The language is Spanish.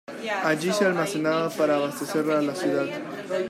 Allí se almacenaba para abastecer a la ciudad.